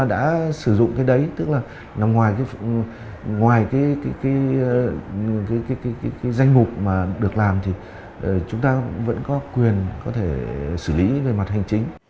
đã sử dụng cái đấy tức là nằm ngoài cái danh mục mà được làm thì chúng ta vẫn có quyền có thể xử lý về mặt hành chính